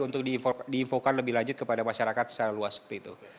untuk diinfokan lebih lanjut kepada masyarakat secara luas seperti itu